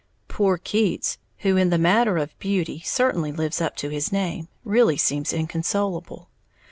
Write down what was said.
Poor Keats, who in the matter of beauty certainly lives up to his name, really seems inconsolable.